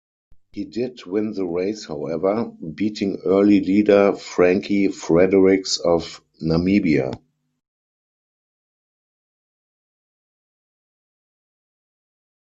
He did win the race however, beating early leader Frankie Fredericks of Namibia.